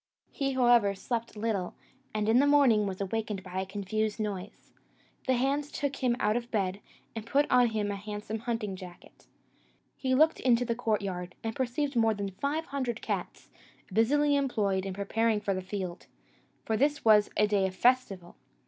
He, however, slept little, and in the morning was awakened by a confused noise. The hands took him out of bed, and put on him a handsome hunting jacket. He looked into the courtyard, and perceived more than five hundred cats, busily employed in preparing for the field for this was a day of festival.